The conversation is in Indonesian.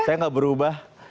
saya gak berubah